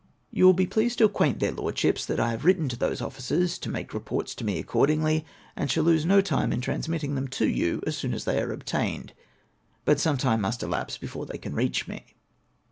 1 ou will be pleased to acquaint their Lordships tliat I have written to those officers to make reports to me accord ingh^, and sliall lose no time in transmitting them to you as soon as they are obtained, but some time must elapse before they can reach me.